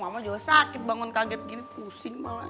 mama juga sakit bangun kaget gini pusing malah